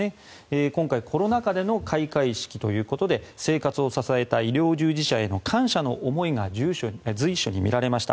今回、コロナ禍での開会式ということで生活を支えた医療従事者への感謝の思いが随所に見られました。